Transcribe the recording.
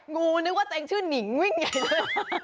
งูนึกว่าตัวเองชื่อนิงวิ่งใหญ่เลย